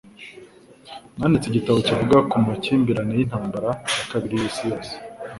Nanditse igitabo kivuga ku makimbirane y'intambara ya kabiri y'isi yose